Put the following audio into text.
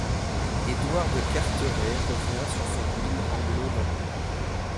Édouard de Carteret revient sur son île Anglo-Normande.